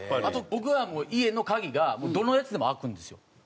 あと僕は家の鍵がどのやつでも開くんですよ。